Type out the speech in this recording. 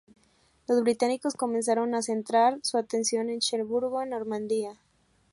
Los británicos comenzaron a centrar su atención en Cherburgo en Normandía.